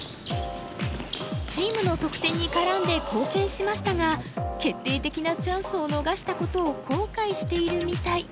チームの得点に絡んで貢献しましたが決定的なチャンスを逃したことを後悔しているみたい。